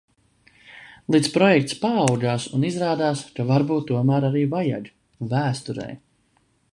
Līdz projekts paaugās, un, izrādās, ka varbūt tomēr arī vajag. Vēsturei.